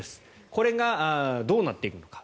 これがどうなっていくのか。